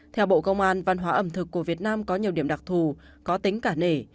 theo bộ công an văn hóa ẩm thực của việt nam có nhiều điểm đặc thù có tính cả nể